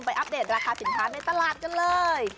อัปเดตราคาสินค้าในตลาดกันเลย